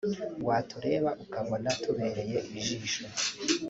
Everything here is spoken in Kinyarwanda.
watureba ukabona tubereye ijisho